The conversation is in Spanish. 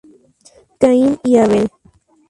Caín y Abel.